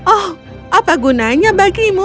oh apa gunanya bagimu